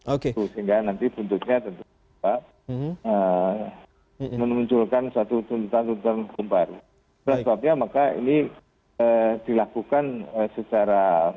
oke itu sehingga nanti bentuknya tentu menunjukkan satu tentang tumpar maka ini dilakukan secara